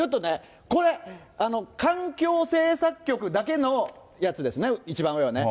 これ、環境政策局だけのやつですね、一番上はね。